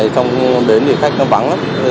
trong bến thì khách nó vắng lắm